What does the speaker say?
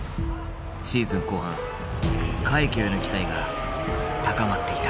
シーズン後半快挙への期待が高まっていた。